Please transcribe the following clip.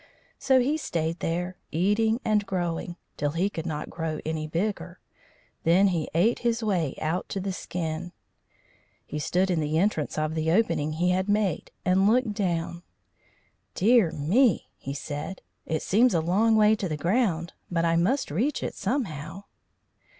So he stayed there, eating and growing, till he could not grow any bigger. Then he ate his way out to the skin. He stood in the entrance of the opening he had made, and looked down. "Dear me!" he said, "it seems a long way to the ground. But I must reach it somehow."